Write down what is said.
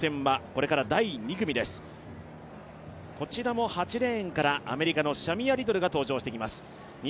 こちらも８レーンからアメリカのシャミア・リトルが登場してきます。